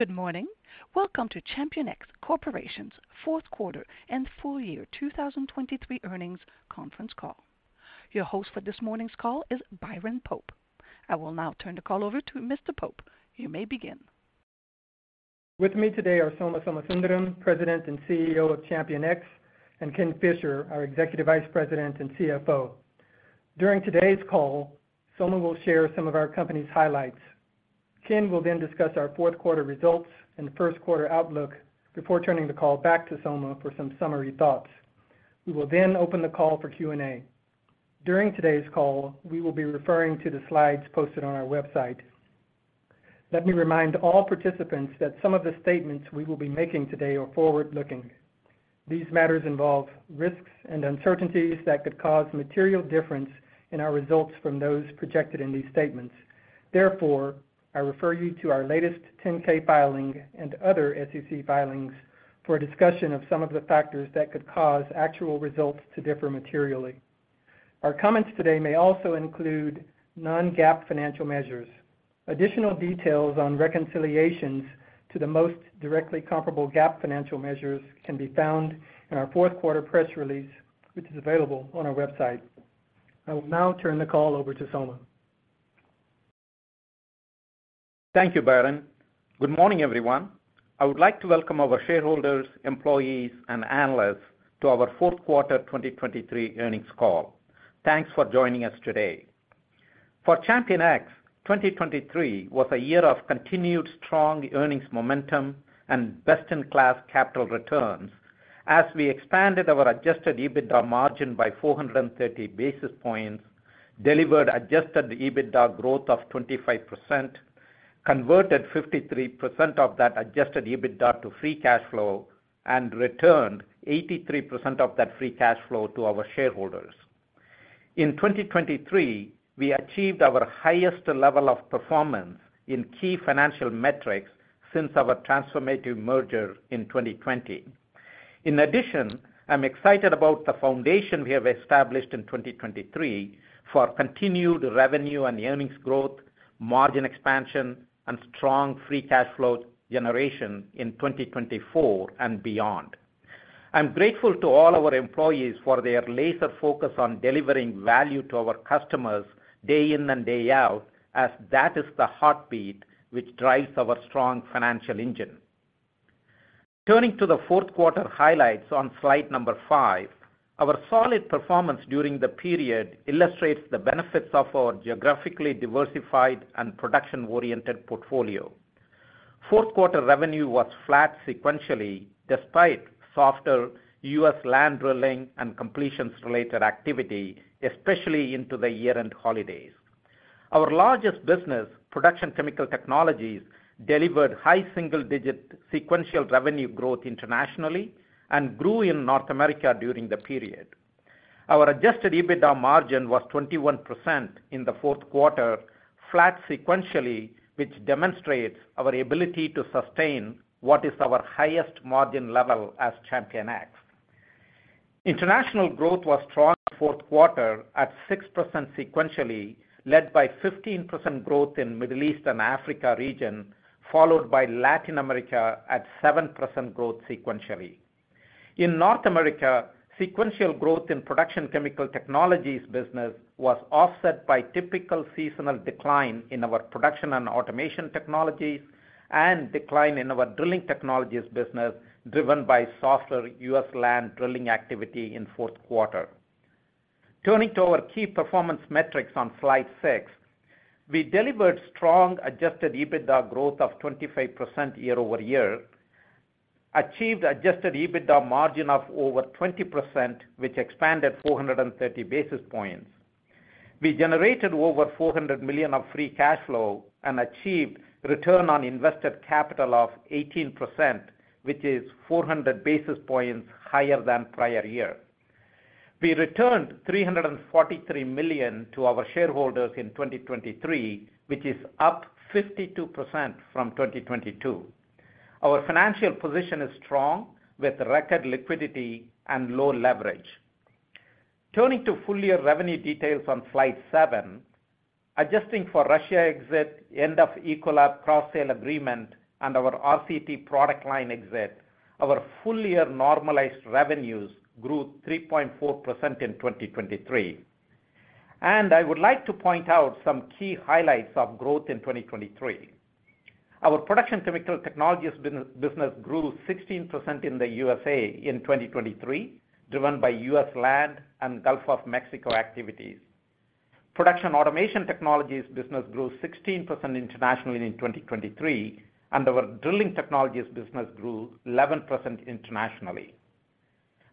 Good morning. Welcome to ChampionX Corporation's fourth quarter and full year 2023 earnings conference call. Your host for this morning's call is Byron Pope. I will now turn the call over to Mr. Pope. You may begin. With me today are Soma Somasundaram, President and CEO of ChampionX, and Ken Fisher, our Executive Vice President and CFO. During today's call, Soma will share some of our company's highlights. Ken will then discuss our fourth quarter results and first quarter outlook before turning the call back to Soma for some summary thoughts. We will then open the call for Q&A. During today's call, we will be referring to the slides posted on our website. Let me remind all participants that some of the statements we will be making today are forward-looking. These matters involve risks and uncertainties that could cause material difference in our results from those projected in these statements. Therefore, I refer you to our latest 10-K filing and other SEC filings for a discussion of some of the factors that could cause actual results to differ materially. Our comments today may also include non-GAAP financial measures. Additional details on reconciliations to the most directly comparable GAAP financial measures can be found in our fourth quarter press release, which is available on our website. I will now turn the call over to Soma. Thank you, Byron. Good morning, everyone. I would like to welcome our shareholders, employees, and analysts to our fourth quarter 2023 earnings call. Thanks for joining us today. For ChampionX, 2023 was a year of continued strong earnings momentum and best-in-class capital returns as we expanded our Adjusted EBITDA margin by 430 basis points, delivered Adjusted EBITDA growth of 25%, converted 53% of that Adjusted EBITDA to free cash flow, and returned 83% of that free cash flow to our shareholders. In 2023, we achieved our highest level of performance in key financial metrics since our transformative merger in 2020. In addition, I'm excited about the foundation we have established in 2023 for continued revenue and earnings growth, margin expansion, and strong free cash flow generation in 2024 and beyond. I'm grateful to all our employees for their laser focus on delivering value to our customers day in and day out, as that is the heartbeat which drives our strong financial engine. Turning to the fourth quarter highlights on slide number 5, our solid performance during the period illustrates the benefits of our geographically diversified and production-oriented portfolio. Fourth quarter revenue was flat sequentially, despite softer U.S. land drilling and completions-related activity, especially into the year-end holidays. Our largest business, Production Chemical Technologies, delivered high single-digit sequential revenue growth internationally and grew in North America during the period. Our Adjusted EBITDA margin was 21% in the fourth quarter, flat sequentially, which demonstrates our ability to sustain what is our highest margin level as ChampionX. International growth was strong fourth quarter at 6% sequentially, led by 15% growth in Middle East and Africa region, followed by Latin America at 7% growth sequentially. In North America, sequential growth in Production Chemical Technologies business was offset by typical seasonal decline in our Production & Automation Technologies and decline in our Drilling Technologies business, driven by softer U.S. land drilling activity in fourth quarter. Turning to our key performance metrics on slide 6. We delivered strong Adjusted EBITDA growth of 25% year-over-year, achieved Adjusted EBITDA margin of over 20%, which expanded 430 basis points. We generated over $400 million of free cash flow and achieved return on invested capital of 18%, which is 400 basis points higher than prior year. We returned $343 million to our shareholders in 2023, which is up 52% from 2022. Our financial position is strong, with record liquidity and low leverage. Turning to full-year revenue details on slide 7, adjusting for Russia exit, end of Ecolab cross-sale agreement, and our RCT product line exit, our full-year normalized revenues grew 3.4% in 2023. I would like to point out some key highlights of growth in 2023. Our Production Chemical Technologies business grew 16% in the USA in 2023, driven by U.S. land and Gulf of Mexico activities. Production Automation Technologies business grew 16% internationally in 2023, and our Drilling Technologies business grew 11% internationally.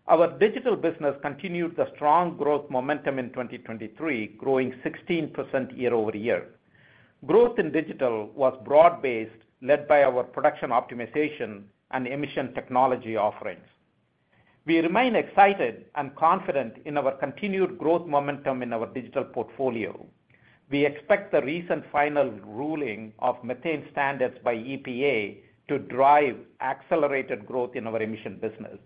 Our digital business continued the strong growth momentum in 2023, growing 16% year-over-year. Growth in digital was broad-based, led by our production optimization and emission technology offerings. We remain excited and confident in our continued growth momentum in our digital portfolio. We expect the recent final ruling of methane standards by EPA to drive accelerated growth in our emission business.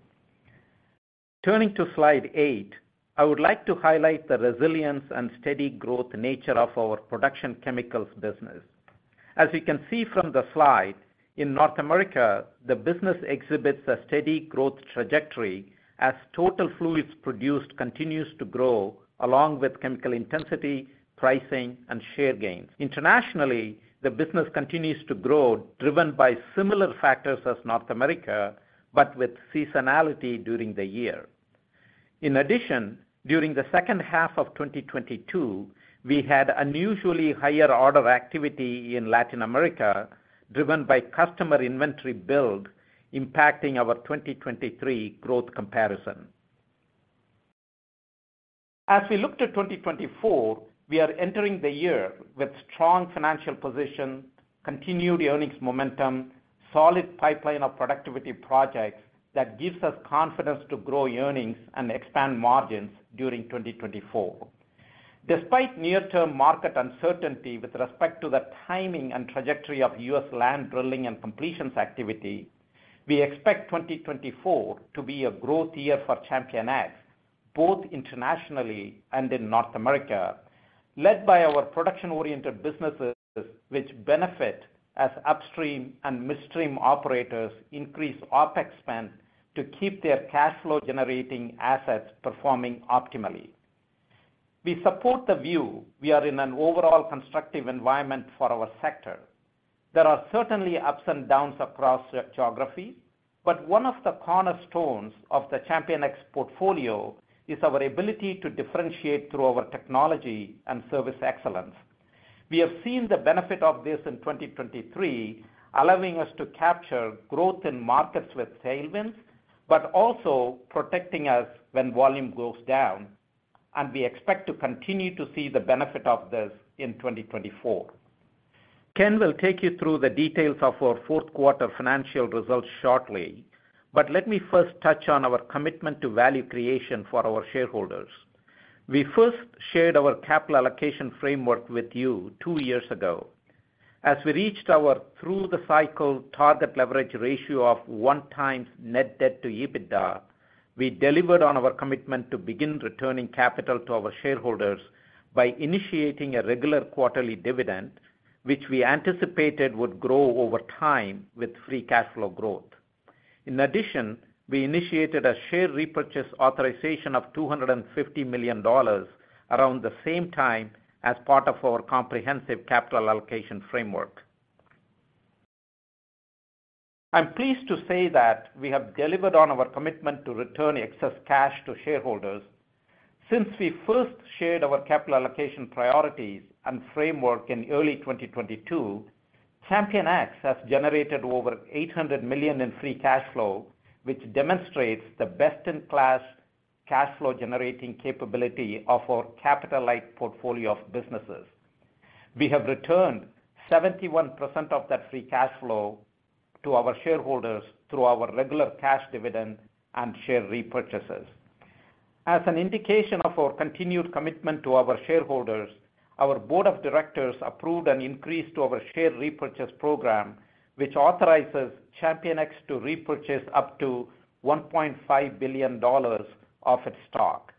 Turning to Slide 8, I would like to highlight the resilience and steady growth nature of our production chemicals business. As you can see from the slide, in North America, the business exhibits a steady growth trajectory as total fluids produced continues to grow, along with chemical intensity, pricing, and share gains. Internationally, the business continues to grow, driven by similar factors as North America, but with seasonality during the year. In addition, during the second half of 2022, we had unusually higher order activity in Latin America, driven by customer inventory build, impacting our 2023 growth comparison. As we look to 2024, we are entering the year with strong financial position, continued earnings momentum, solid pipeline of productivity projects that gives us confidence to grow earnings and expand margins during 2024. Despite near-term market uncertainty with respect to the timing and trajectory of U.S. land drilling and completions activity, we expect 2024 to be a growth year for ChampionX, both internationally and in North America, led by our production-oriented businesses, which benefit as upstream and midstream operators increase OpEx spend to keep their cash flow-generating assets performing optimally. We support the view we are in an overall constructive environment for our sector. There are certainly ups and downs across geography, but one of the cornerstones of the ChampionX portfolio is our ability to differentiate through our technology and service excellence. We have seen the benefit of this in 2023, allowing us to capture growth in markets with tailwinds, but also protecting us when volume goes down, and we expect to continue to see the benefit of this in 2024. Ken will take you through the details of our fourth quarter financial results shortly, but let me first touch on our commitment to value creation for our shareholders. We first shared our Capital Allocation Framework with you two years ago. As we reached our through the cycle target leverage ratio of 1x net debt to EBITDA, we delivered on our commitment to begin returning capital to our shareholders by initiating a regular quarterly dividend, which we anticipated would grow over time with free cash flow growth. In addition, we initiated a share repurchase authorization of $250 million around the same time as part of our comprehensive Capital Allocation Framework. I'm pleased to say that we have delivered on our commitment to return excess cash to shareholders. Since we first shared our capital allocation priorities and framework in early 2022, ChampionX has generated over $800 million in free cash flow, which demonstrates the best-in-class cash flow generating capability of our capital-light portfolio of businesses. We have returned 71% of that free cash flow to our shareholders through our regular cash dividend and share repurchases. As an indication of our continued commitment to our shareholders, our board of directors approved an increase to our share repurchase program, which authorizes ChampionX to repurchase up to $1.5 billion of its stock,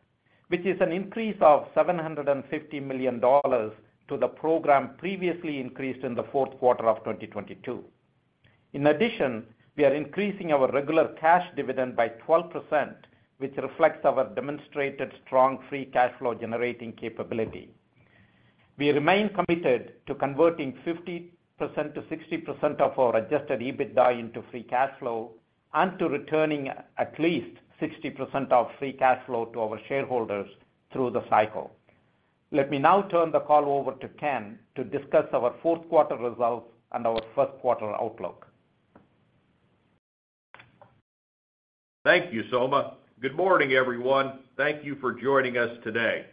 which is an increase of $750 million to the program previously increased in the fourth quarter of 2022. In addition, we are increasing our regular cash dividend by 12%, which reflects our demonstrated strong free cash flow generating capability. We remain committed to converting 50%-60% of our Adjusted EBITDA into free cash flow and to returning at least 60% of free cash flow to our shareholders through the cycle. Let me now turn the call over to Ken to discuss our fourth quarter results and our first quarter outlook. Thank you, Soma. Good morning, everyone. Thank you for joining us today.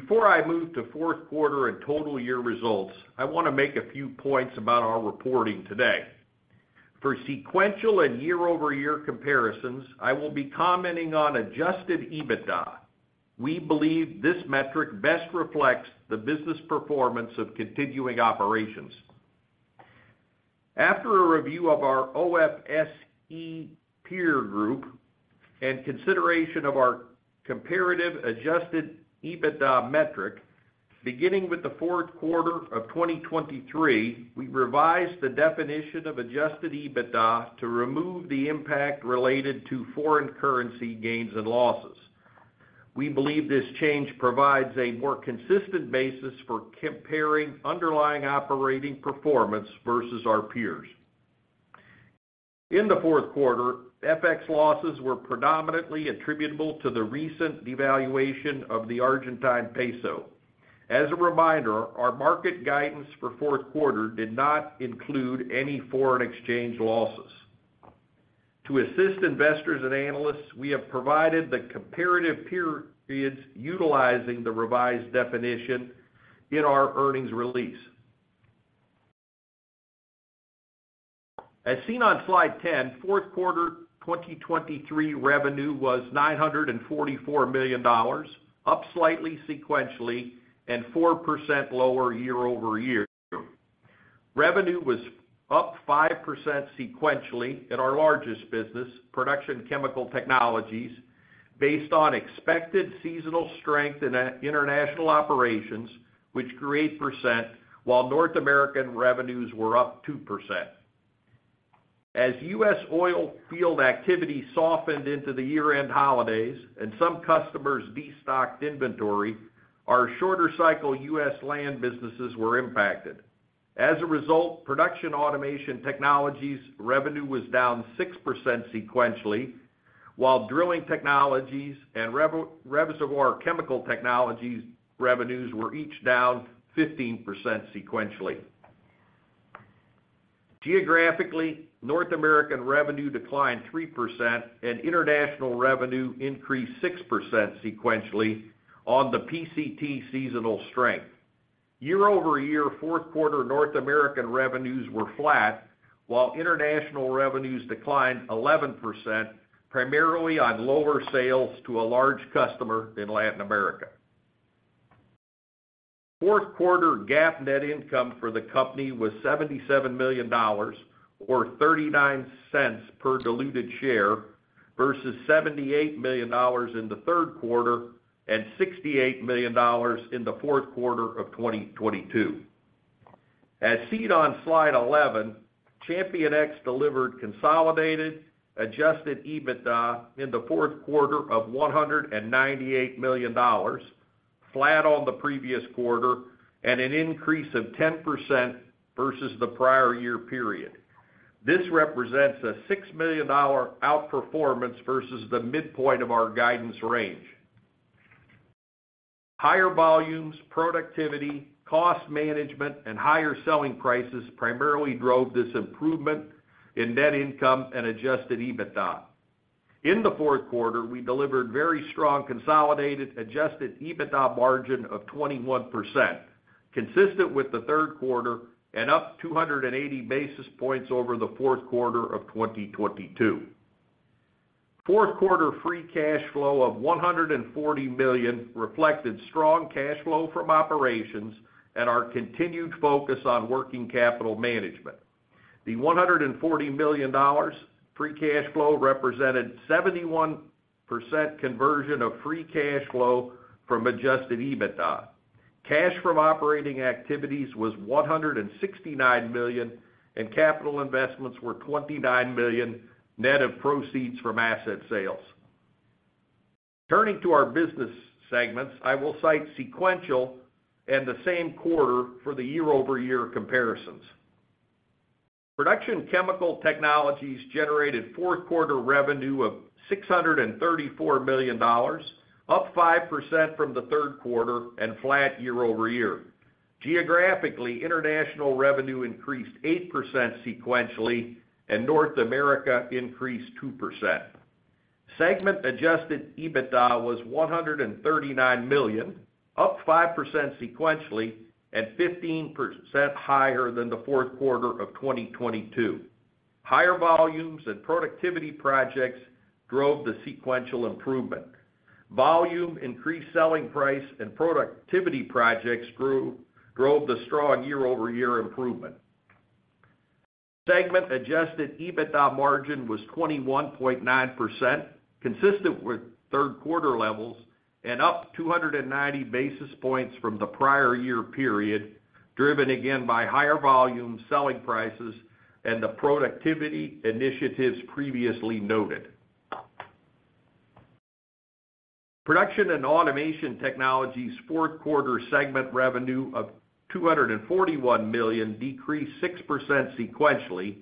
Before I move to fourth quarter and total year results, I wanna make a few points about our reporting today. For sequential and year-over-year comparisons, I will be commenting on Adjusted EBITDA. We believe this metric best reflects the business performance of continuing operations. After a review of our OFSE peer group and consideration of our comparative Adjusted EBITDA metric, beginning with the fourth quarter of 2023, we revised the definition of Adjusted EBITDA to remove the impact related to foreign currency gains and losses. We believe this change provides a more consistent basis for comparing underlying operating performance versus our peers. In the fourth quarter, FX losses were predominantly attributable to the recent devaluation of the Argentine peso. As a reminder, our market guidance for fourth quarter did not include any foreign exchange losses. To assist investors and analysts, we have provided the comparative periods utilizing the revised definition in our earnings release. As seen on Slide 10, fourth quarter 2023 revenue was $944 million, up slightly sequentially and 4% lower year-over-year. Revenue was up 5% sequentially in our largest business, Production Chemical Technologies, based on expected seasonal strength in international operations, which grew 8%, while North American revenues were up 2%. As U.S. oil field activity softened into the year-end holidays and some customers destocked inventory, our shorter cycle U.S. land businesses were impacted. As a result, Production Automation Technologies revenue was down 6% sequentially, while Drilling Technologies and Reservoir Chemical Technologies revenues were each down 15% sequentially. Geographically, North American revenue declined 3%, and international revenue increased 6% sequentially on the PCT seasonal strength. Year-over-year, fourth quarter North American revenues were flat, while international revenues declined 11%, primarily on lower sales to a large customer in Latin America. Fourth quarter GAAP net income for the company was $77 million, or 39 cents per diluted share, versus $78 million in the third quarter and $68 million in the fourth quarter of 2022. As seen on slide 11, ChampionX delivered consolidated Adjusted EBITDA in the fourth quarter of $198 million, flat on the previous quarter, and an increase of 10% versus the prior year period. This represents a $6 million outperformance versus the midpoint of our guidance range. Higher volumes, productivity, cost management, and higher selling prices primarily drove this improvement in net income and Adjusted EBITDA. In the fourth quarter, we delivered very strong consolidated Adjusted EBITDA margin of 21%, consistent with the third quarter and up 280 basis points over the fourth quarter of 2022. Fourth quarter free cash flow of $140 million reflected strong cash flow from operations and our continued focus on working capital management. The $140 million free cash flow represented 71% conversion of free cash flow from Adjusted EBITDA. Cash from operating activities was $169 million, and capital investments were $29 million, net of proceeds from asset sales. Turning to our business segments, I will cite sequential and the same quarter for the year-over-year comparisons. Production Chemical Technologies generated fourth quarter revenue of $634 million, up 5% from the third quarter and flat year over year. Geographically, international revenue increased 8% sequentially, and North America increased 2%. Segment Adjusted EBITDA was $139 million, up 5% sequentially and 15% higher than the fourth quarter of 2022. Higher volumes and productivity projects drove the sequential improvement. Volume, increased selling price, and productivity projects drove the strong year-over-year improvement. Segment Adjusted EBITDA margin was 21.9%, consistent with third quarter levels and up 290 basis points from the prior year period, driven again by higher volume, selling prices, and the productivity initiatives previously noted. Production & Automation Technologies' fourth quarter segment revenue of $241 million decreased 6% sequentially,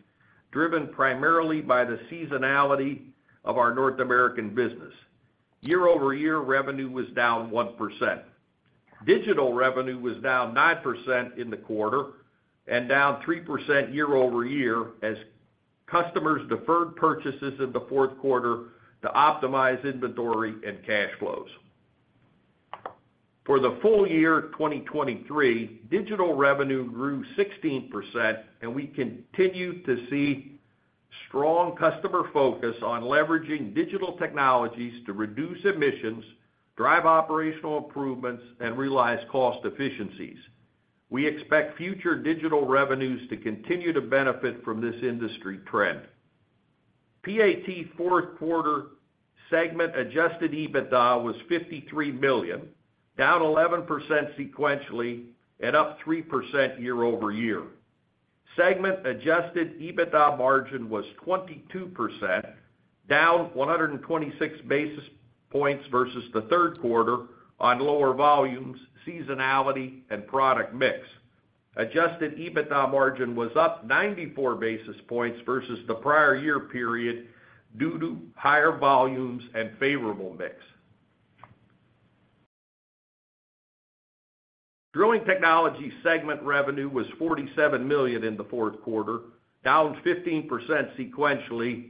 driven primarily by the seasonality of our North American business. Year-over-year, revenue was down 1%. Digital revenue was down 9% in the quarter and down 3% year-over-year, as customers deferred purchases in the fourth quarter to optimize inventory and cash flows. For the full year 2023, digital revenue grew 16%, and we continue to see strong customer focus on leveraging digital technologies to reduce emissions, drive operational improvements, and realize cost efficiencies. We expect future digital revenues to continue to benefit from this industry trend. PAT fourth quarter segment Adjusted EBITDA was $53 million, down 11% sequentially and up 3% year-over-year. Segment Adjusted EBITDA margin was 22%, down 126 basis points versus the third quarter on lower volumes, seasonality, and product mix. Adjusted EBITDA margin was up 94 basis points versus the prior year period due to higher volumes and favorable mix. Drilling Technologies segment revenue was $47 million in the fourth quarter, down 15% sequentially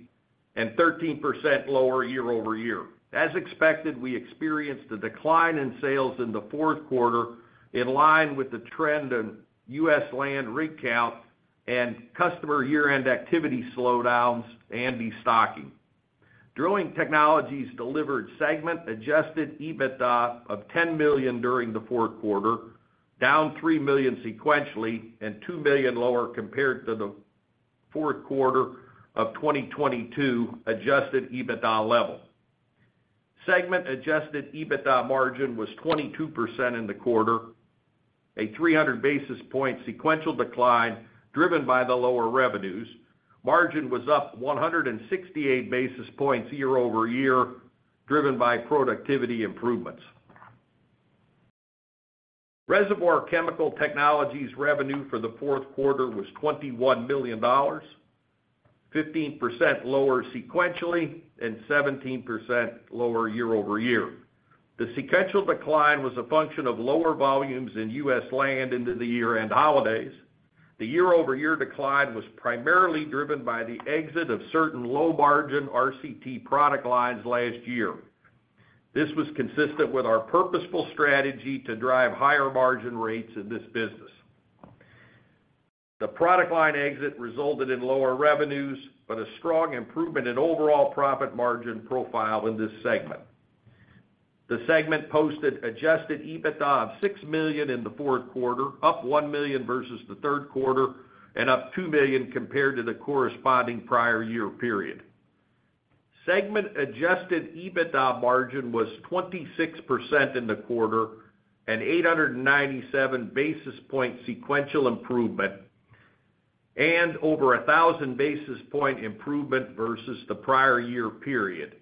and 13% lower year-over-year. As expected, we experienced a decline in sales in the fourth quarter, in line with the trend in U.S. land rig count and customer year-end activity slowdowns and destocking. Drilling Technologies delivered segment Adjusted EBITDA of $10 million during the fourth quarter, down $3 million sequentially and $2 million lower compared to the fourth quarter of 2022 Adjusted EBITDA level. Segment Adjusted EBITDA margin was 22% in the quarter, a 300 basis point sequential decline, driven by the lower revenues. Margin was up 168 basis points year-over-year, driven by productivity improvements. Reservoir Chemical Technologies revenue for the fourth quarter was $21 million, 15% lower sequentially and 17% lower year-over-year. The sequential decline was a function of lower volumes in U.S. land into the year-end holidays. The year-over-year decline was primarily driven by the exit of certain low-margin RCT product lines last year. This was consistent with our purposeful strategy to drive higher margin rates in this business. The product line exit resulted in lower revenues, but a strong improvement in overall profit margin profile in this segment. The segment posted Adjusted EBITDA of $6 million in the fourth quarter, up $1 million versus the third quarter, and up $2 million compared to the corresponding prior year period. Segment Adjusted EBITDA margin was 26% in the quarter, an 897 basis point sequential improvement, and over 1,000 basis point improvement versus the prior year period,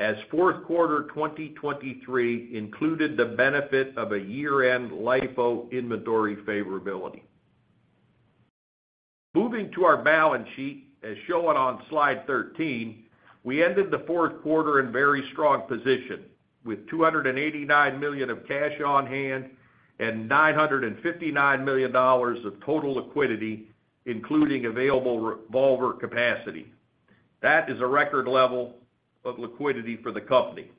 as fourth quarter 2023 included the benefit of a year-end LIFO inventory favorability. Moving to our balance sheet, as shown on slide 13, we ended the fourth quarter in very strong position, with $289 million of cash on hand and $959 million of total liquidity, including available revolver capacity. That is a record level of liquidity for the company.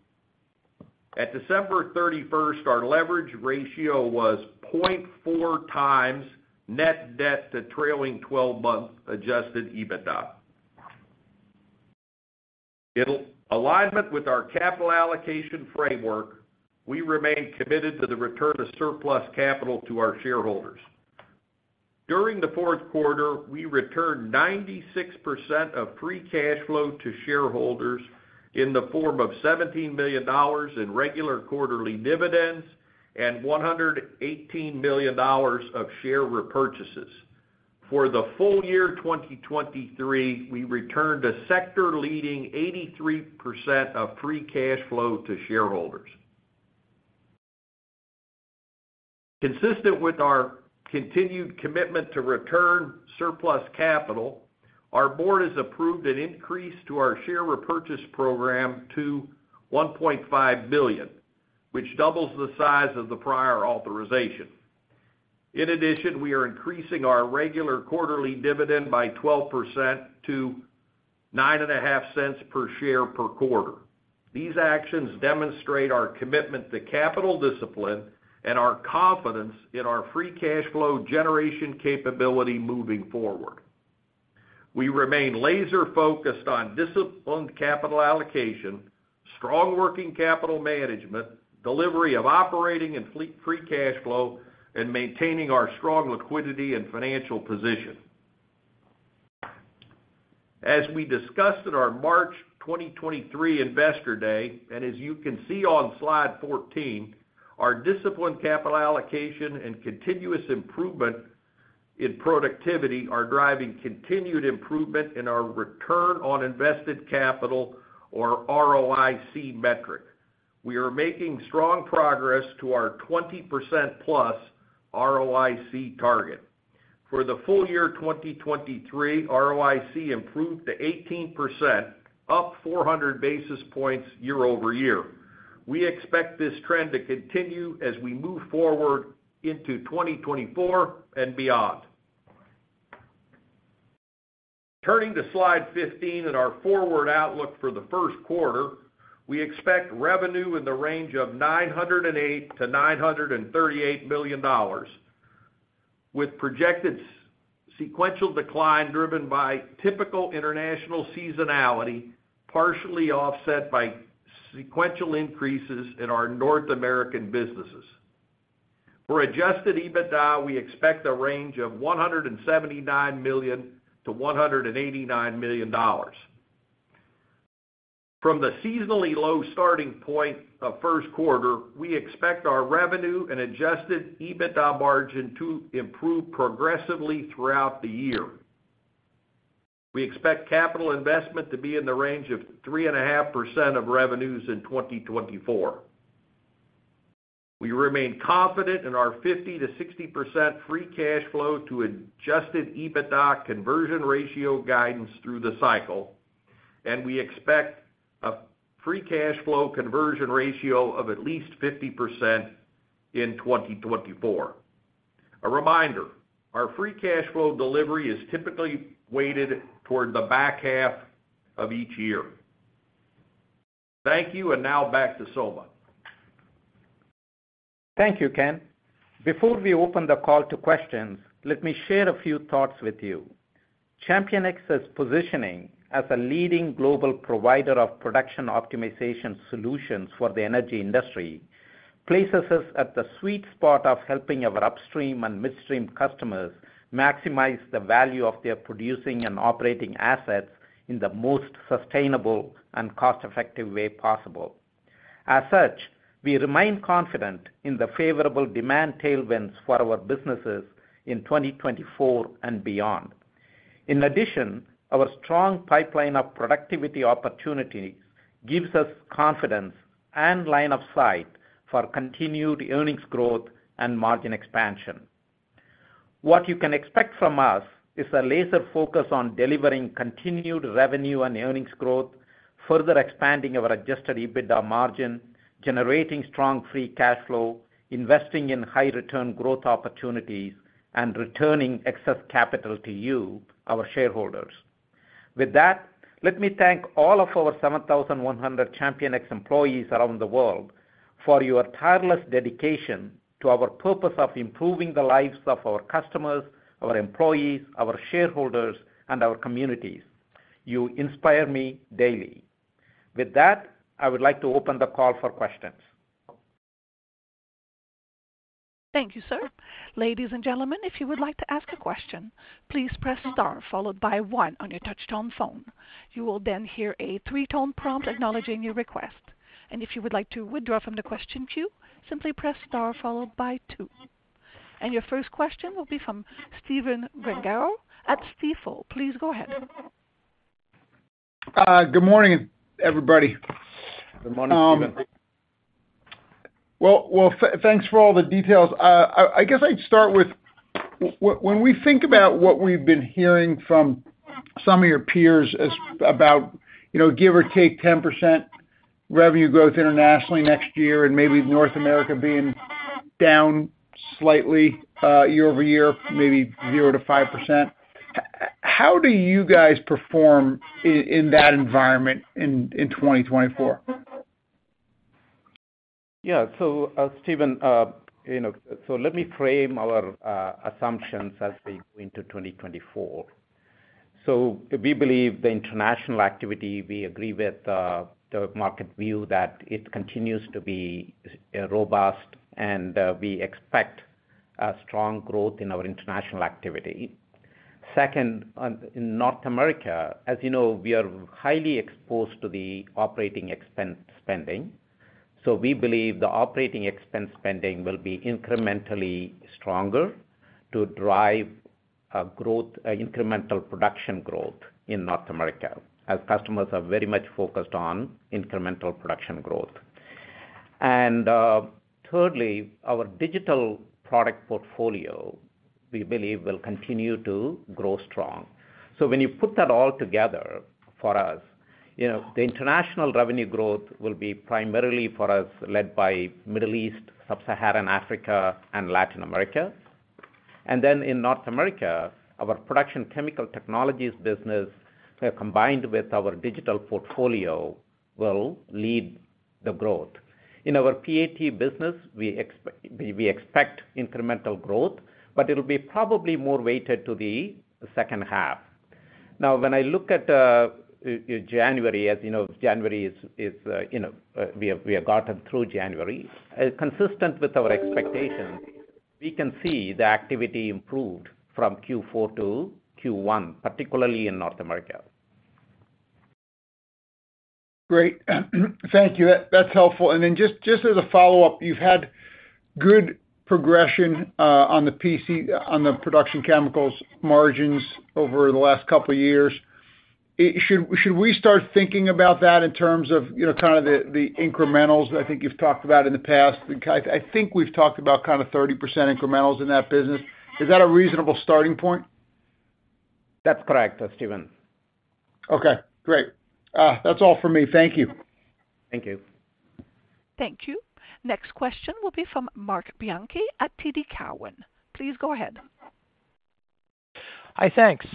At December 31, our leverage ratio was 0.4x net debt to trailing twelve-month Adjusted EBITDA. In alignment with our capital allocation framework, we remain committed to the return of surplus capital to our shareholders. During the fourth quarter, we returned 96% of free cash flow to shareholders in the form of $17 million in regular quarterly dividends and $118 million of share repurchases. For the full year 2023, we returned a sector-leading 83% of free cash flow to shareholders. Consistent with our continued commitment to return surplus capital, our board has approved an increase to our share repurchase program to $1.5 billion, which doubles the size of the prior authorization. In addition, we are increasing our regular quarterly dividend by 12% to $0.095 per share per quarter. These actions demonstrate our commitment to capital discipline and our confidence in our free cash flow generation capability moving forward. We remain laser focused on disciplined capital allocation, strong working capital management, delivery of operating and free cash flow, and maintaining our strong liquidity and financial position. As we discussed in our March 2023 Investor Day, and as you can see on Slide 14, our disciplined capital allocation and continuous improvement in productivity are driving continued improvement in our Return on Invested Capital, or ROIC, metric. We are making strong progress to our 20%+ ROIC target. For the full year 2023, ROIC improved to 18%, up 400 basis points year-over-year. We expect this trend to continue as we move forward into 2024 and beyond. Turning to Slide 15 and our forward outlook for the first quarter, we expect revenue in the range of $908 million-$938 million, with projected sequential decline driven by typical international seasonality, partially offset by sequential increases in our North American businesses. For Adjusted EBITDA, we expect a range of $179 million-$189 million. From the seasonally low starting point of first quarter, we expect our revenue and Adjusted EBITDA margin to improve progressively throughout the year. We expect capital investment to be in the range of 3.5% of revenues in 2024. We remain confident in our 50%-60% free cash flow to Adjusted EBITDA conversion ratio guidance through the cycle, and we expect a free cash flow conversion ratio of at least 50% in 2024. A reminder, our free cash flow delivery is typically weighted toward the back half of each year. Thank you, and now back to Soma. ... Thank you, Ken. Before we open the call to questions, let me share a few thoughts with you. ChampionX's positioning as a leading global provider of production optimization solutions for the energy industry, places us at the sweet spot of helping our upstream and midstream customers maximize the value of their producing and operating assets in the most sustainable and cost-effective way possible. As such, we remain confident in the favorable demand tailwinds for our businesses in 2024 and beyond. In addition, our strong pipeline of productivity opportunities gives us confidence and line of sight for continued earnings growth and margin expansion. What you can expect from us is a laser focus on delivering continued revenue and earnings growth, further expanding our Adjusted EBITDA margin, generating strong free cash flow, investing in high return growth opportunities, and returning excess capital to you, our shareholders. With that, let me thank all of our 7,100 ChampionX employees around the world, for your tireless dedication to our purpose of improving the lives of our customers, our employees, our shareholders, and our communities. You inspire me daily. With that, I would like to open the call for questions. Thank you, sir. Ladies and gentlemen, if you would like to ask a question, please press star followed by one on your touchtone phone. You will then hear a three-tone prompt acknowledging your request. And if you would like to withdraw from the question queue, simply press star followed by two. And your first question will be from Stephen Gengaro at Stifel. Please go ahead. Good morning, everybody. Good morning, Stephen. Well, thanks for all the details. I guess I'd start with: when we think about what we've been hearing from some of your peers is about, you know, give or take 10% revenue growth internationally next year, and maybe North America being down slightly, year over year, maybe 0%-5%. How do you guys perform in that environment in 2024? Yeah. So, Stephen, you know, so let me frame our assumptions as we go into 2024. So we believe the international activity, we agree with the market view that it continues to be robust, and we expect a strong growth in our international activity. Second, on in North America, as you know, we are highly exposed to the operating expense spending, so we believe the operating expense spending will be incrementally stronger to drive growth, incremental production growth in North America, as customers are very much focused on incremental production growth. And, thirdly, our digital product portfolio, we believe, will continue to grow strong. So when you put that all together for us, you know, the international revenue growth will be primarily for us, led by Middle East, Sub-Saharan Africa, and Latin America. And then in North America, our Production Chemical Technologies business, combined with our digital portfolio, will lead the growth. In our PAT business, we expect incremental growth, but it'll be probably more weighted to the second half. Now, when I look at January, as you know, January is, you know, we have gotten through January. Consistent with our expectations, we can see the activity improved from Q4 to Q1, particularly in North America. Great. Thank you. That's helpful. And then just as a follow-up, you've had good progression on the production chemicals margins over the last couple of years. Should we start thinking about that in terms of, you know, kind of the incrementals I think you've talked about in the past? I think we've talked about kind of 30% incrementals in that business. Is that a reasonable starting point? That's correct, Stephen. Okay, great. That's all for me. Thank you. Thank you. Thank you. Next question will be from Marc Bianchi at TD Cowen. Please go ahead. Hi, thanks.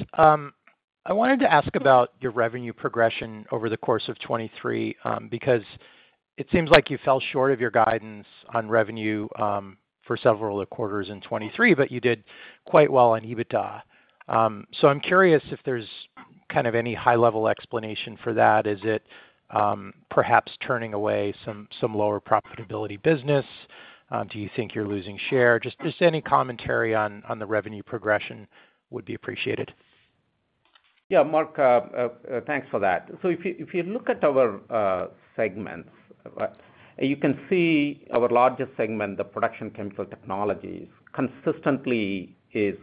I wanted to ask about your revenue progression over the course of 2023, because it seems like you fell short of your guidance on revenue for several quarters in 2023, but you did quite well on EBITDA. So I'm curious if there's kind of any high-level explanation for that. Is it perhaps turning away some lower profitability business? Do you think you're losing share? Just any commentary on the revenue progression would be appreciated. Yeah, Mark, thanks for that. So if you, if you look at our segments, you can see our largest segment, the Production Chemical Technologies, consistently is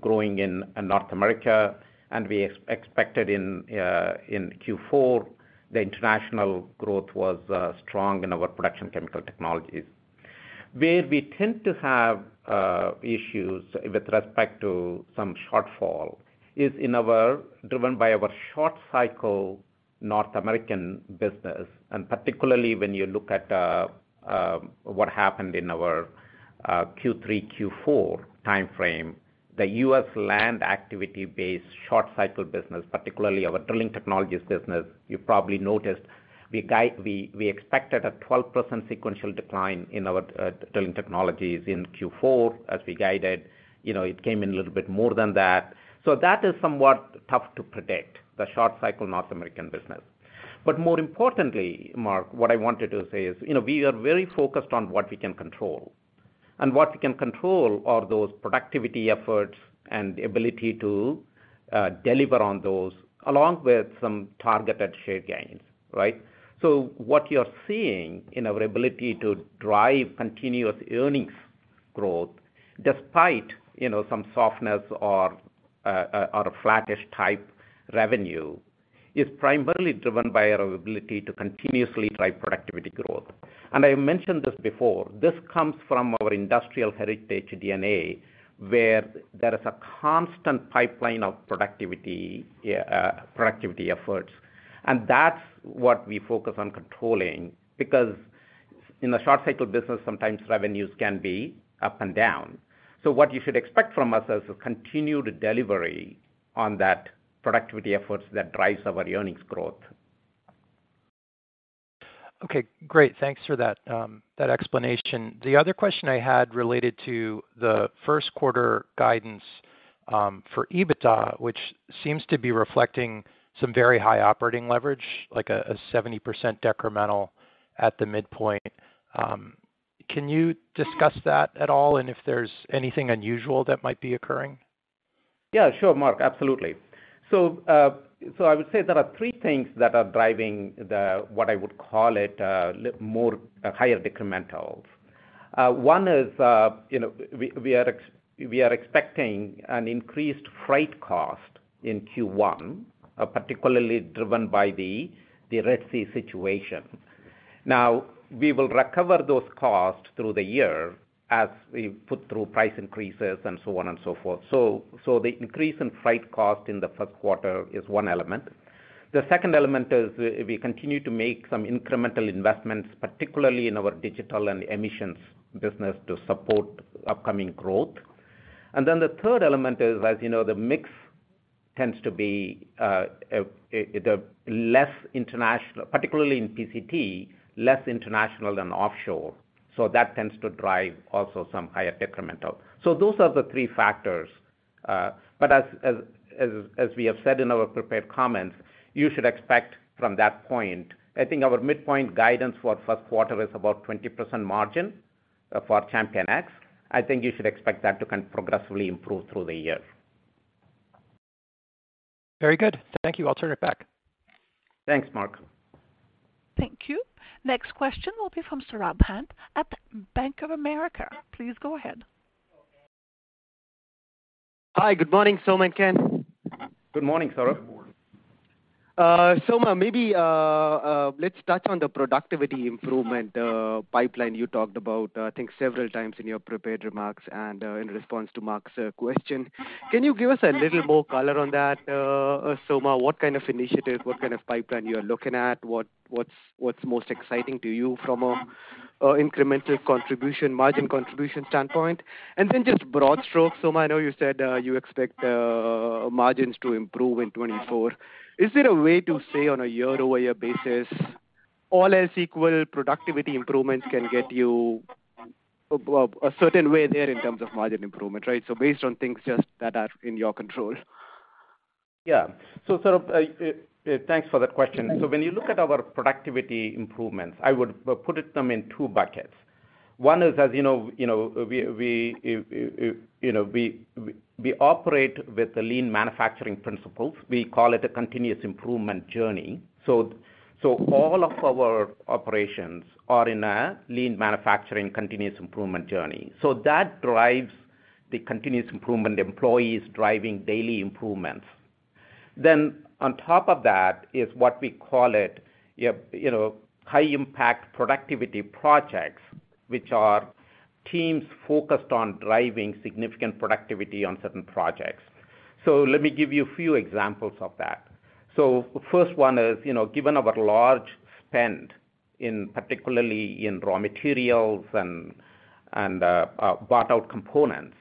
growing in North America, and we expected in, in Q4, the international growth was strong in our Production Chemical Technologies. Where we tend to have issues with respect to some shortfall is in our, driven by our short cycle North American business, and particularly when you look at what happened in our Q3, Q4 timeframe... the U.S. land activity-based short cycle business, particularly our Drilling Technologies business, you probably noticed we guided. We expected a 12% sequential decline in our Drilling Technologies in Q4 as we guided. You know, it came in a little bit more than that. So that is somewhat tough to predict, the short cycle North American business. But more importantly, Mark, what I wanted to say is, you know, we are very focused on what we can control. And what we can control are those productivity efforts and the ability to, deliver on those, along with some targeted share gains, right? So what you're seeing in our ability to drive continuous earnings growth despite, you know, some softness or, or a flattish type revenue, is primarily driven by our ability to continuously drive productivity growth. And I mentioned this before, this comes from our industrial heritage DNA, where there is a constant pipeline of productivity, productivity efforts. And that's what we focus on controlling, because in the short cycle business, sometimes revenues can be up and down. What you should expect from us is a continued delivery on that productivity efforts that drives our earnings growth. Okay, great. Thanks for that, that explanation. The other question I had related to the first quarter guidance, for EBITDA, which seems to be reflecting some very high operating leverage, like a seventy percent decremental at the midpoint. Can you discuss that at all, and if there's anything unusual that might be occurring? Yeah, sure, Mark. Absolutely. So, I would say there are three things that are driving the, what I would call it, more higher decremental. One is, you know, we are expecting an increased freight cost in Q1, particularly driven by the Red Sea situation. Now, we will recover those costs through the year as we put through price increases and so on and so forth. So, the increase in freight cost in the first quarter is one element. The second element is we continue to make some incremental investments, particularly in our digital and emissions business, to support upcoming growth. And then the third element is, as you know, the mix tends to be the less international, particularly in PCT, less international than offshore. So that tends to drive also some higher decremental. Those are the three factors. But as we have said in our prepared comments, you should expect from that point. I think our midpoint guidance for first quarter is about 20% margin for ChampionX. I think you should expect that to progressively improve through the year. Very good. Thank you. I'll turn it back. Thanks, Mark. Thank you. Next question will be from Saurabh Pant at Bank of America. Please go ahead. Hi, good morning, Soma and Ken. Good morning, Saurabh. Good morning. Soma, maybe let's touch on the productivity improvement pipeline you talked about, I think several times in your prepared remarks and in response to Mark's question. Can you give us a little more color on that, Soma? What kind of initiatives, what kind of pipeline you are looking at? What's most exciting to you from an incremental contribution, margin contribution standpoint? And then just broad stroke, Soma, I know you said you expect margins to improve in 2024. Is there a way to say on a year-over-year basis, all else equal, productivity improvements can get you a certain way there in terms of margin improvement, right? So based on things just that are in your control. Yeah. So Saurabh, thanks for that question. So when you look at our productivity improvements, I would put them in two buckets. One is, as you know, you know, we operate with the lean manufacturing principles. We call it a continuous improvement journey. So all of our operations are in a lean manufacturing continuous improvement journey. So that drives the continuous improvement, employees driving daily improvements. Then on top of that is what we call it, yeah, you know, high impact productivity projects, which are teams focused on driving significant productivity on certain projects. So let me give you a few examples of that. So the first one is, you know, given our large spend in, particularly in raw materials and bought out components.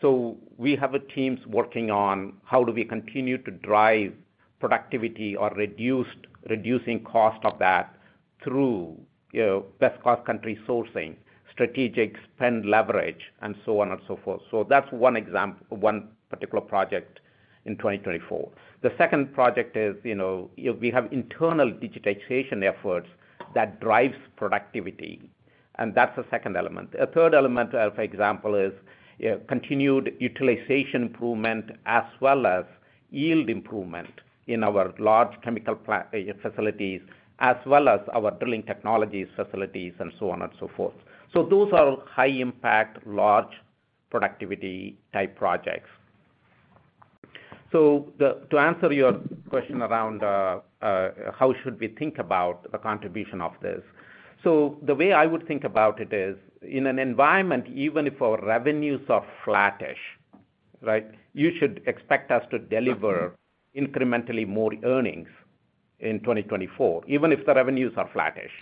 So we have teams working on how do we continue to drive productivity or reducing cost of that through, you know, best cost country sourcing, strategic spend leverage, and so on and so forth. So that's one particular project in 2024. The second project is, you know, we have internal digitization efforts that drives productivity, and that's the second element. A third element, for example, is continued utilization improvement as well as yield improvement in our large chemical plant facilities, as well as our Drilling Technologies facilities and so on and so forth. So those are high impact, large productivity type projects. So to answer your question around how should we think about the contribution of this? The way I would think about it is, in an environment even if our revenues are flattish, right, you should expect us to deliver incrementally more earnings in 2024, even if the revenues are flattish.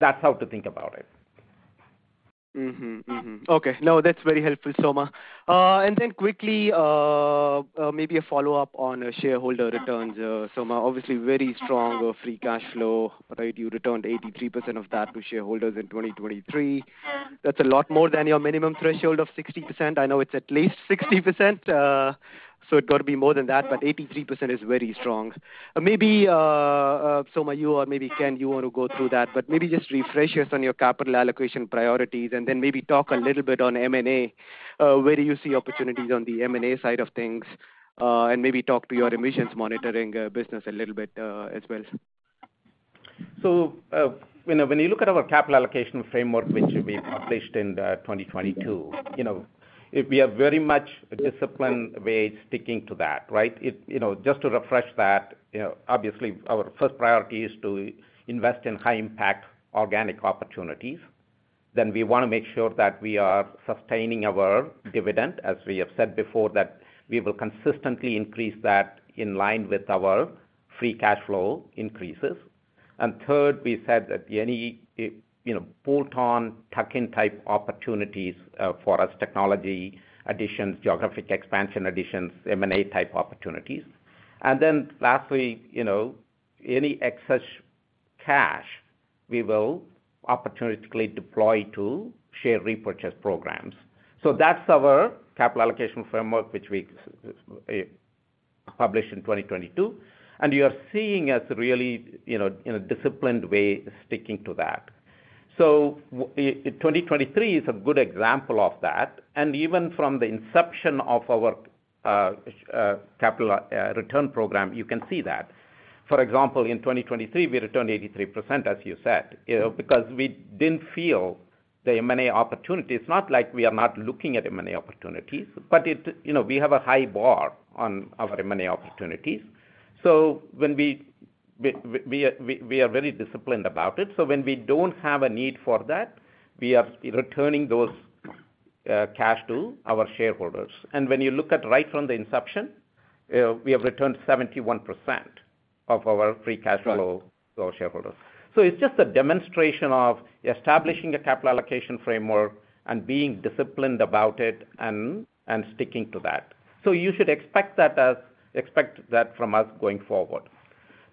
That's how to think about it. Mm-hmm, mm-hmm. Okay. No, that's very helpful, Soma. And then quickly, maybe a follow-up on shareholder returns. Soma, obviously very strong free cash flow, right? You returned 83% of that to shareholders in 2023. That's a lot more than your minimum threshold of 60%. I know it's at least 60%, so it got to be more than that, but 83% is very strong. Maybe, Soma, you or maybe Ken, you want to go through that, but maybe just refresh us on your capital allocation priorities, and then maybe talk a little bit on M&A. Where do you see opportunities on the M&A side of things? And maybe talk to your emissions monitoring business a little bit, as well. So, when you look at our Capital Allocation Framework, which we published in 2022, you know, we are very much a disciplined way of sticking to that, right? You know, just to refresh that, you know, obviously, our first priority is to invest in high impact organic opportunities. Then we wanna make sure that we are sustaining our dividend, as we have said before, that we will consistently increase that in line with our free cash flow increases. And third, we said that any, you know, bolt-on, tuck-in type opportunities, for U.S. technology additions, geographic expansion additions, M&A type opportunities. And then lastly, you know, any excess cash, we will opportunistically deploy to share repurchase programs. So that's our Capital Allocation Framework, which we published in 2022, and you are seeing us really, you know, in a disciplined way, sticking to that. So 2023 is a good example of that. And even from the inception of our capital return program, you can see that. For example, in 2023, we returned 83%, as you said, you know, because we didn't feel the M&A opportunity. It's not like we are not looking at M&A opportunities, but it, you know, we have a high bar on our M&A opportunities. So when we are very disciplined about it, so when we don't have a need for that, we are returning those cash to our shareholders. When you look at right from the inception, we have returned 71% of our free cash flow to our shareholders. So it's just a demonstration of establishing a Capital Allocation Framework and being disciplined about it and sticking to that. So you should expect that from us going forward.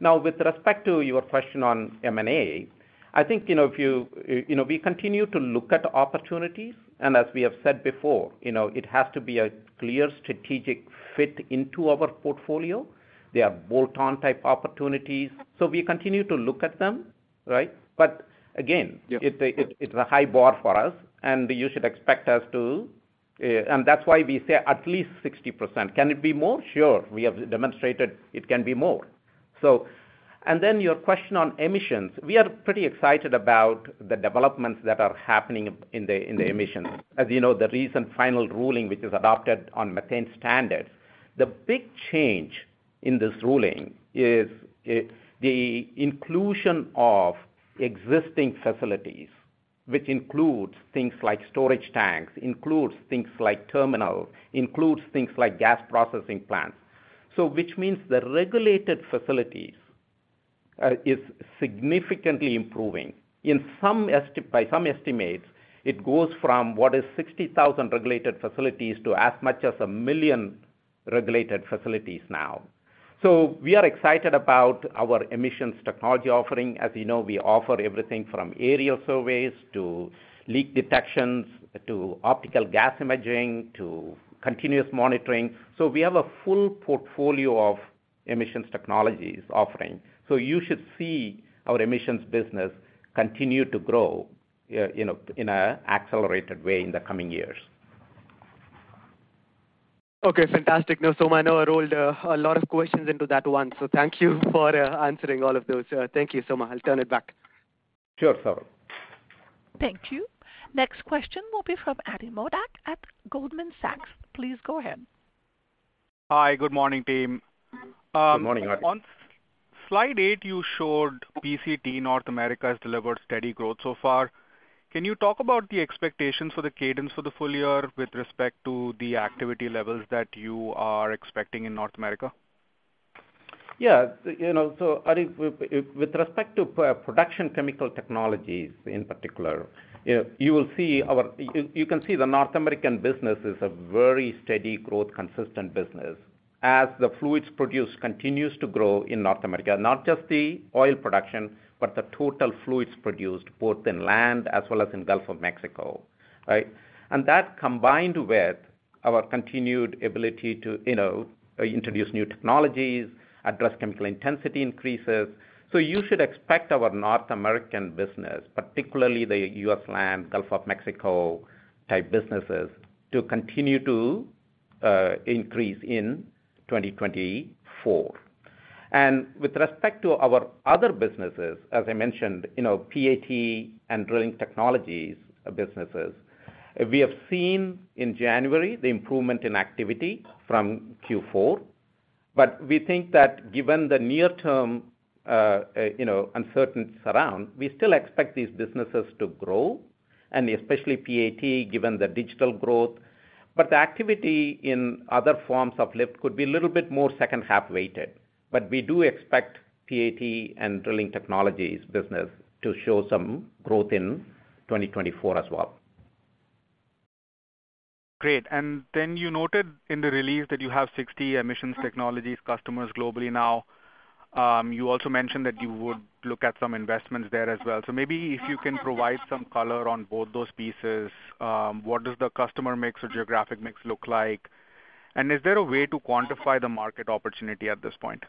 Now, with respect to your question on M&A, I think, you know, we continue to look at opportunities, and as we have said before, you know, it has to be a clear strategic fit into our portfolio. They are bolt-on type opportunities, so we continue to look at them, right? But again- Yep. It's a high bar for us, and you should expect us to. And that's why we say at least 60%. Can it be more? Sure. We have demonstrated it can be more. So, and then your question on emissions. We are pretty excited about the developments that are happening in the emissions. As you know, the recent final ruling, which is adopted on methane standards, the big change in this ruling is the inclusion of existing facilities, which includes things like storage tanks, includes things like terminal, includes things like gas processing plants. So which means the regulated facilities is significantly improving. In some estimates, it goes from what is 60,000 regulated facilities to as much as 1 million regulated facilities now. So we are excited about our emissions technology offering. As you know, we offer everything from aerial surveys to leak detections, to optical gas imaging, to continuous monitoring. So we have a full portfolio of emissions technologies offering. So you should see our emissions business continue to grow, you know, in a accelerated way in the coming years. Okay, fantastic. Now, Soma, I know I rolled a lot of questions into that one, so thank you for answering all of those. Thank you, Soma. I'll turn it back. Sure, Saurabh. Thank you. Next question will be from Ati Modak at Goldman Sachs. Please go ahead. Hi, good morning, team. Good morning, Ati. On slide eight, you showed PCT North America has delivered steady growth so far. Can you talk about the expectations for the cadence for the full year with respect to the activity levels that you are expecting in North America? Yeah, you know, so Ati, with respect to production chemical technologies in particular, you will see our... You, you can see the North American business is a very steady growth, consistent business. As the fluids produced continues to grow in North America, not just the oil production, but the total fluids produced both in land as well as in Gulf of Mexico, right? And that, combined with our continued ability to, you know, introduce new technologies, address chemical intensity increases. So you should expect our North American business, particularly the U.S. land, Gulf of Mexico-type businesses, to continue to increase in 2024. And with respect to our other businesses, as I mentioned, you know, PAT and Drilling Technologies businesses, we have seen in January the improvement in activity from Q4. But we think that given the near-term, you know, uncertainties around, we still expect these businesses to grow, and especially PAT, given the digital growth. But the activity in other forms of lift could be a little bit more second-half weighted. But we do expect PAT and Drilling Technologies business to show some growth in 2024 as well. Great. And then you noted in the release that you have 60 emissions technologies customers globally now. You also mentioned that you would look at some investments there as well. So maybe if you can provide some color on both those pieces, what does the customer mix or geographic mix look like? And is there a way to quantify the market opportunity at this point?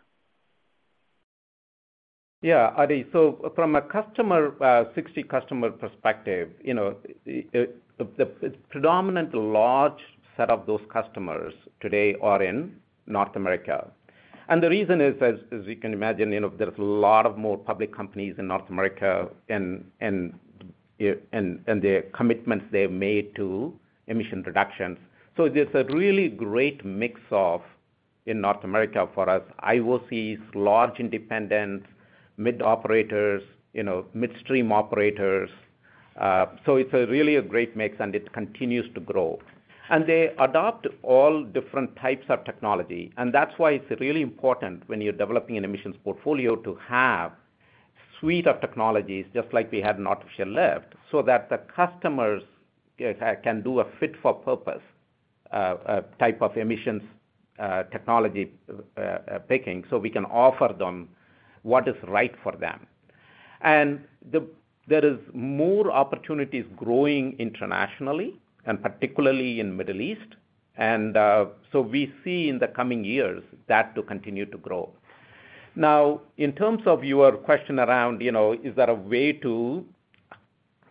Yeah, Ati, so from a customer, sixty customer perspective, you know, the predominantly large set of those customers today are in North America. And the reason is, as you can imagine, you know, there's a lot more public companies in North America and the commitments they've made to emission reductions. So there's a really great mix of in North America for us. I will see large, independent mid operators, you know, midstream operators. So it's really a great mix, and it continues to grow. They adopt all different types of technology, and that's why it's really important when you're developing an emissions portfolio, to have a suite of technologies just like we have in artificial lift, so that the customers can do a fit for purpose type of emissions technology picking, so we can offer them what is right for them. And there is more opportunities growing internationally and particularly in Middle East. And so we see in the coming years that to continue to grow. Now, in terms of your question around, you know, is there a way to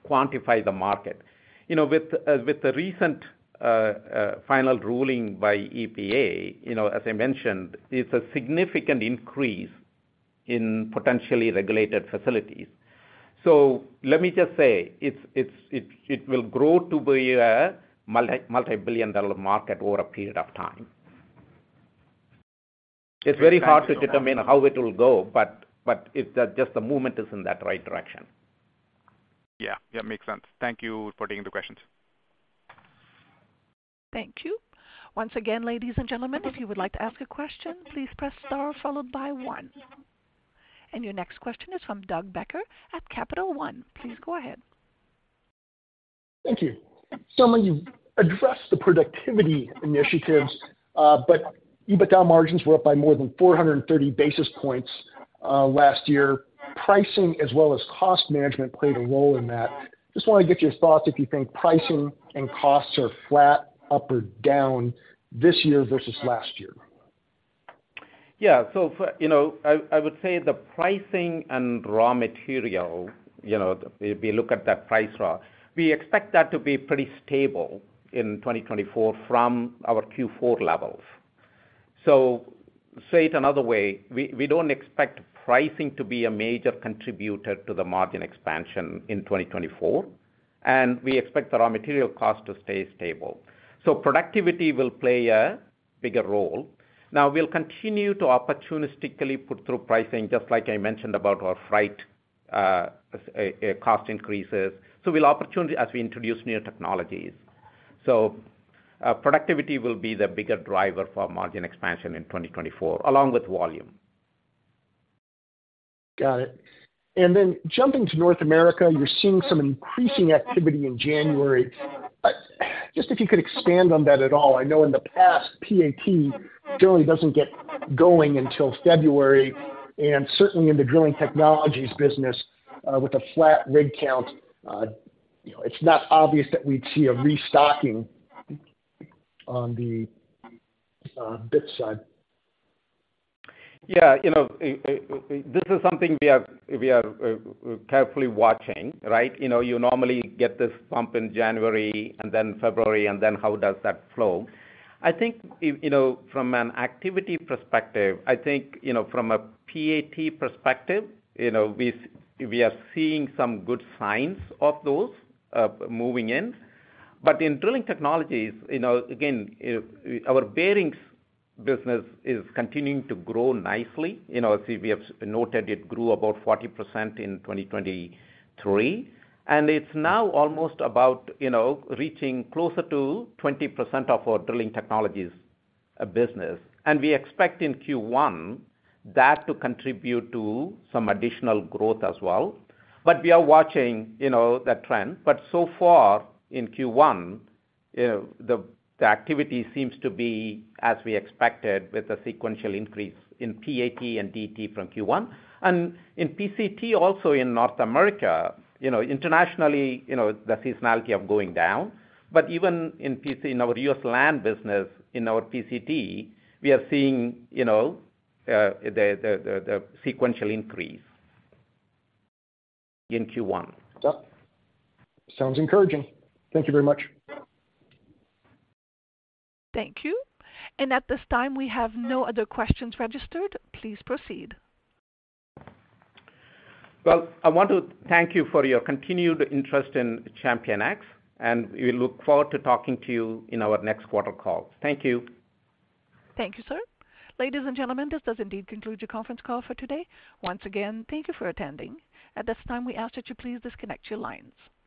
quantify the market? You know, with the recent final ruling by EPA, you know, as I mentioned, it's a significant increase in potentially regulated facilities. So let me just say, it will grow to be a multi-billion dollar market over a period of time. It's very hard to determine how it will go, but it's just the movement is in that right direction. Yeah, yeah, makes sense. Thank you for taking the questions. Thank you. Once again, ladies and gentlemen, if you would like to ask a question, please press star followed by one. Your next question is from Doug Becker at Capital One. Please go ahead. Thank you. So when you address the productivity initiatives, but EBITDA margins were up by more than 430 basis points, last year. Pricing as well as cost management played a role in that. Just want to get your thoughts if you think pricing and costs are flat, up or down this year versus last year. Yeah. So for, you know, I would say the pricing and raw material, you know, if you look at that price raw, we expect that to be pretty stable in 2024 from our Q4 levels. So say it another way, we don't expect pricing to be a major contributor to the margin expansion in 2024, and we expect the raw material cost to stay stable. So productivity will play a bigger role. Now, we'll continue to opportunistically put through pricing, just like I mentioned about our freight cost increases, so we'll opportunity as we introduce new technologies. So, productivity will be the bigger driver for margin expansion in 2024, along with volume. Got it. And then jumping to North America, you're seeing some increasing activity in January. Just if you could expand on that at all. I know in the past, PAT generally doesn't get going until February, and certainly in the Drilling Technologies business, with a flat rig count, you know, it's not obvious that we'd see a restocking on the bit side. Yeah, you know, this is something we are carefully watching, right? You know, you normally get this bump in January and then February, and then how does that flow? I think, you know, from an activity perspective, I think, you know, from a PAT perspective, you know, we are seeing some good signs of those moving in. But in Drilling Technologies, you know, again, our bearings business is continuing to grow nicely. You know, as we have noted, it grew about 40% in 2023, and it's now almost about, you know, reaching closer to 20% of our Drilling Technologies business. And we expect in Q1, that to contribute to some additional growth as well. But we are watching, you know, the trend. But so far in Q1, the activity seems to be as we expected, with a sequential increase in PAT and DT from Q1. In PCT, also in North America, you know, internationally, you know, the seasonality of going down. Even in PC, in our U.S. land business, in our PCT, we are seeing, you know, the sequential increase in Q1. Yeah. Sounds encouraging. Thank you very much. Thank you. At this time, we have no other questions registered. Please proceed. Well, I want to thank you for your continued interest in ChampionX, and we look forward to talking to you in our next quarter call. Thank you. Thank you, sir. Ladies and gentlemen, this does indeed conclude your conference call for today. Once again, thank you for attending. At this time, we ask that you please disconnect your lines.